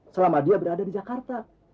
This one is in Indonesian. selama dia berada di jakarta